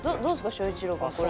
翔一郎くんこれ。